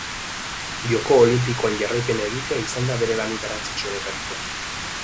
Joko olinpikoen jarraipena egitea izan da bere lanik garrantzitsuenetarikoa.